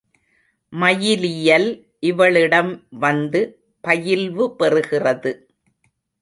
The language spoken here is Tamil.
மயிலியல் இவளிடம் வந்து பயில்வு பெறுகிறது.